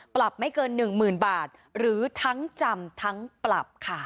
ปรับไม่เกินหนึ่งหมื่นบาทหรือทั้งจำทั้งปรับค่ะ